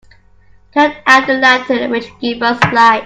Turn out the lantern which gives us light.